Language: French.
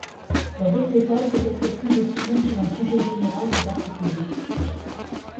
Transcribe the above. La décrétale peut être prise aussi bien sur un sujet général que particulier.